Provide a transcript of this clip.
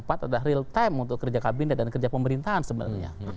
ada real time untuk kerja kabinet dan kerja pemerintahan sebenarnya